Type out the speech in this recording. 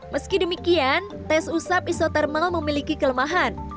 meski demikian tes usap isotermal memiliki kelemahan